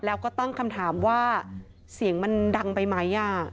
แล้วก็ตั้งคำถามว่าเสียงมันดังไปไหม